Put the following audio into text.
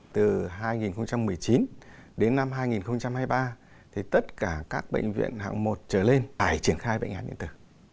từ hai nghìn một mươi chín đến năm hai nghìn hai mươi ba thì tất cả các bệnh viện hạng một trở lên phải triển khai bệnh án điện tử